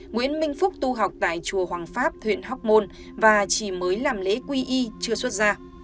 nguyễn minh phúc tu học tại chùa hoàng pháp huyện hóc môn và chỉ mới làm lễ quy y chưa xuất ra